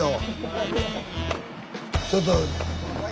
ちょっと。